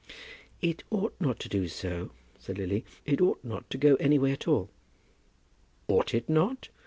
"It ought not to do so," said Lily. "It ought not to go any way at all." "Ought it not?